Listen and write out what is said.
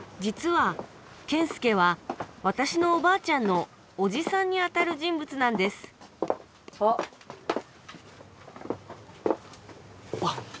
実は謙介は私のおばあちゃんのおじさんにあたる人物なんですあっ。